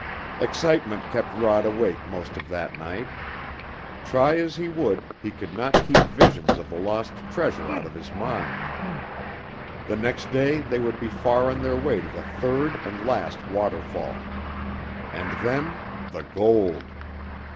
Excitement kept Rod awake most of that night. Try as he would, he could not keep visions of the lost treasure out of his mind. The next day they would be far on their way to the third and last waterfall. And then the gold!